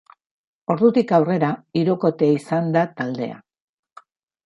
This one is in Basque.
Ordutik aurrera hirukotea izan da taldea.